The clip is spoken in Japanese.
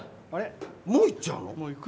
もう行っちゃうの？